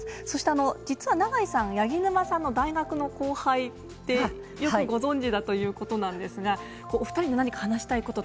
そして、実は永井さんは八木沼さんの大学の後輩でよくご存じだということなんですが。